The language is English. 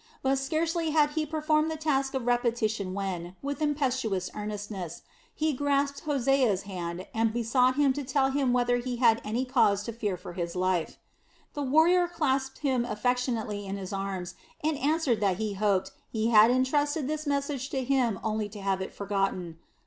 But scarcely had he performed the task of repetition when, with impetuous earnestness, he grasped Hosea's hand and besought him to tell him whether he had any cause to fear for his life. The warrior clasped him affectionately in his arms and answered that he hoped he had entrusted this message to him only to have it forgotten.